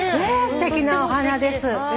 すてきなお花です。